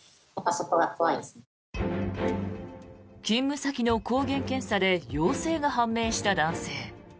勤務先の抗原検査で陽性が判明した男性。